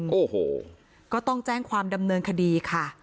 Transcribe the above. โอ้โหก็ต้องแจ้งความดำเนินคดีค่ะ